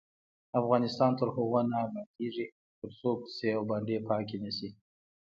افغانستان تر هغو نه ابادیږي، ترڅو کوڅې او بانډې پاکې نشي.